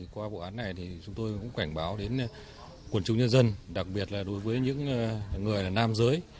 qua vụ án này chúng tôi cũng quảnh báo đến quần chủ nhân dân đặc biệt là đối với những người nam giới